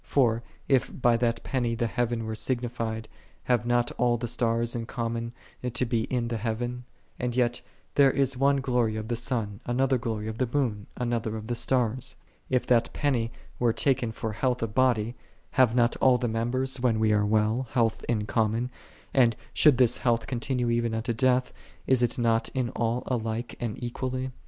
For, if by that penny the heaven were signified, have not all the stars in common to be in the heaven? And yet, " There is one glory of the sun, another glory of the moon, another of the stars." If that penny were taken for health of body, have not all the members, when we are well, health in com mon; and, should this health continue even unto death, is it not in all alike and equally?